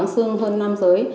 sương hơn nam giới